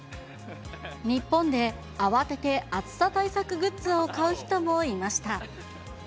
日本で慌てて暑さ対策グッズを買う人もいました。